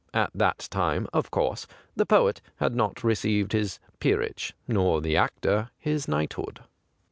At that time, of course, the poet had not received his peerage, nor the actor his knighthood.